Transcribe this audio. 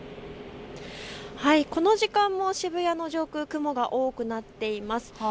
この時間も渋谷の上空雲が多くなっています。